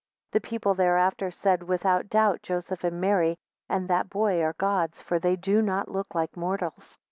18 The people therefore said Without doubt Joseph and Mary, and that boy are Gods, for they do not look like mortals.